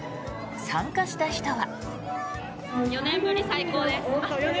参加した人は。